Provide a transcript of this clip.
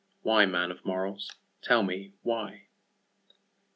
Why, man of morals, tell me why?